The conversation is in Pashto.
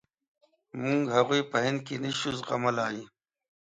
موږ هغوی په هند کې نشو زغملای.